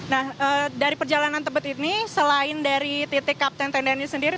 nah dari perjalanan tebet ini selain dari titik kapten tenda ini sendiri